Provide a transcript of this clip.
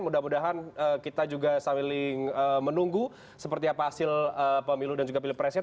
mudah mudahan kita juga saling menunggu seperti apa hasil pemilu dan juga pilpresnya